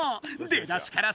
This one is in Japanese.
出だしから